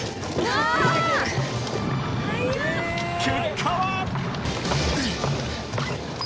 結果は。